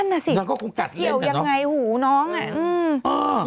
อย่างเงี้ยหูน้องอ่ะ